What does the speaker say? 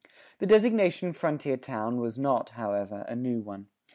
The designation "frontier town" was not, however, a new one.